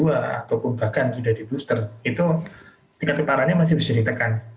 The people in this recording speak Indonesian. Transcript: ataupun bahkan sudah dibuster tingkat keparahannya masih menjadi tekan